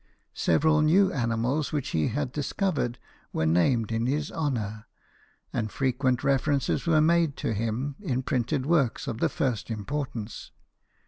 Several new animals which he had discovered were named in his honour, and frequent references were made to him in printed works of the first importance.